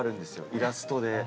イラストで。